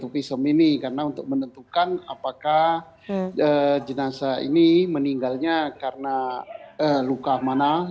pisom ini karena untuk menentukan apakah jenazah ini meninggalnya karena luka mana